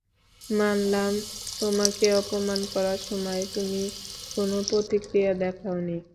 মানলাম তোমাকে অপমান করার সময় তুমি কোনো প্রতিক্রিয়া দেখাওনি।